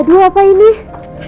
ada yang lempar batu dari luar